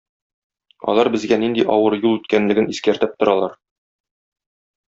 Алар безгә нинди авыр юл үткәнлеген искәртеп торалар.